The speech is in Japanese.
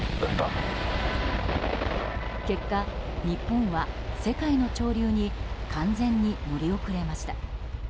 結果、日本は世界の潮流に完全に乗り遅れました。